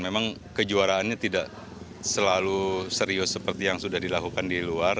memang kejuaraannya tidak selalu serius seperti yang sudah dilakukan di luar